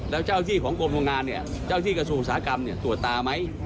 แล้วเจ้าที่ของกลงงานเนี่ยเจ้าที่กระทรูสาหกรรมตรวจตามั้ย